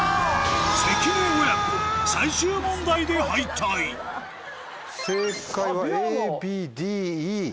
関根親子最終問題で敗退正解はＡＢＤＥ。